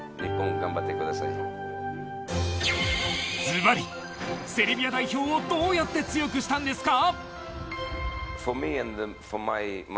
ずばり、セルビア代表をどうやって強くしたんですか？